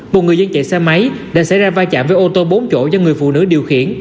một người dân chạy xe máy đã xảy ra va chạm với ô tô bốn chỗ do người phụ nữ điều khiển